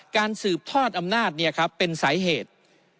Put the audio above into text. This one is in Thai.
การสืบทอดอำนาจเนี่ยครับเป็นสายเหตุ